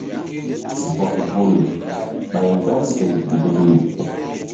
Bɔk vul ɓay mgba ndoy nzukri.